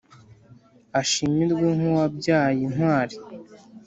ashimirwe nk’uwabyaye intwari